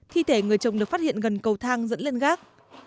thi thể người chồng được phát hiện gần cầu thang dẫn lên gác